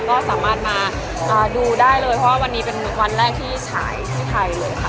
ก็สามารถมาดูได้เลยเพราะว่าวันนี้เป็นวันแรกที่ฉายที่ไทยเลยค่ะ